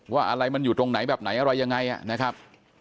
ว่าอะไรมันอยู่ตรงไหนแบบไหนอะไรยังไงนะครับ